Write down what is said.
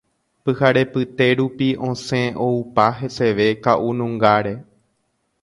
Pyharepyte rupi osẽ oupa heseve ka'unungáre.